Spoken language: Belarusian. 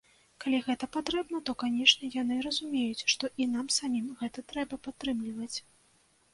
Калі гэта патрэбна, то, канешне, яны разумеюць, што і нам самім гэта трэба падтрымліваць.